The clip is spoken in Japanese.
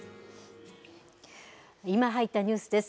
今入ったニュースです。